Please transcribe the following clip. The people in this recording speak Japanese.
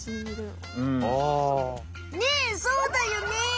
ねえそうだよね。